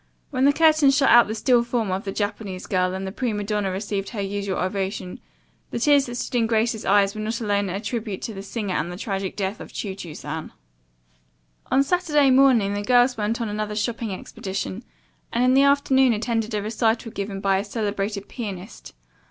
When the curtain shut out the still form of the Japanese girl and the prima donna received her usual ovation, the tears that stood in Grace's eyes were not alone a tribute to the singer and the tragic death of Chu Chu San. On Saturday morning the girls went on another shopping expedition, and in the afternoon attended a recital given by a celebrated pianist.